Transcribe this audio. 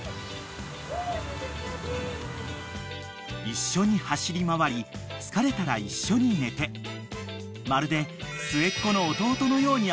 ［一緒に走り回り疲れたら一緒に寝てまるで末っ子の弟のように愛されて育ったしゅう］